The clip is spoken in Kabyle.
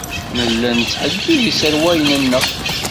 Nella nettḥeddid iserwalen-nneɣ.